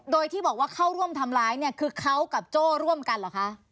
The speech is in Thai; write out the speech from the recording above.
โดยที่บอกว่าเข้าร่วมทำร้ายเนี่ยคือเขากับโจ้ร่วมกันเหรอคะ